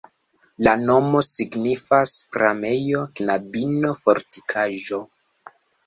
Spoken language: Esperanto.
La nomo signifas: pramejo-knabino-fortikaĵo.